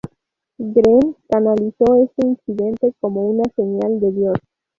Green canalizó este incidente como una señal de Dios.